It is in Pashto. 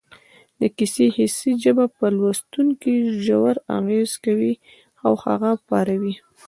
د کیسې حسي ژبه پر لوستونکي ژور اغېز کوي او هغه پاروي